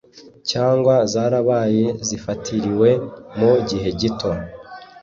Cyangwa zarabaye zifatiriwe mu gihe gito